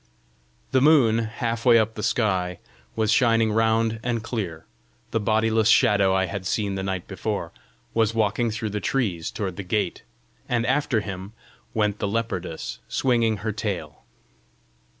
The moon, half way up the sky, was shining round and clear; the bodiless shadow I had seen the night before, was walking through the trees toward the gate; and after him went the leopardess, swinging her tail.